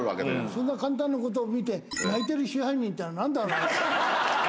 そんな簡単なことを見て泣いてる支配人ってのはなんだろうな。